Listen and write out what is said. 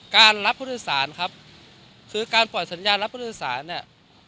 การรับพฤษศาลครับคือการปล่อยสัญญาณรับพฤษศาลเนี้ย